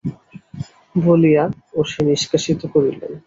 বলিয়া অসি নিষ্কাশিত করিলেন।